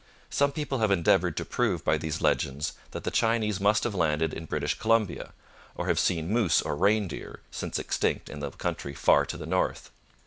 Some people have endeavoured to prove by these legends that the Chinese must have landed in British Columbia, or have seen moose or reindeer, since extinct, in the country far to the north.